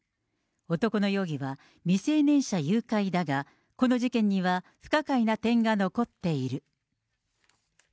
男の容疑は未成年者誘拐だが、この事件には不可解な点が残っている。